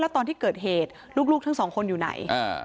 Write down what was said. ตอนที่เกิดเหตุลูกทั้งสองคนอยู่ไหน